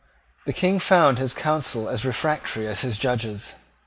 The King found his counsel as refractory as his Judges.